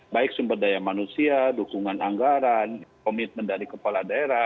baik sumber daya manusia dukungan anggaran komitmen dari kepala daerah